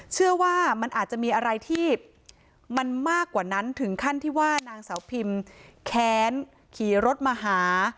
เชื่อว่ามันอาจจะมีอะไรที่มันมากกว่านั้นถึงขั้นที่ว่านางสาวพิมแค้นขี่รถมาหา